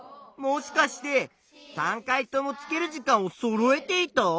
もしかして３回とも付ける時間をそろえていた？